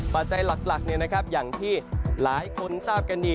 ปัจจัยหลักอย่างที่หลายคนทราบกันดี